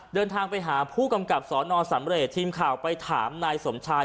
เดินทางไปหาผู้กำกับสนสำเรทีมข่าวไปถามนายสมชาย